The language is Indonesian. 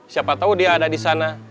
siapa tahu dia ada di sana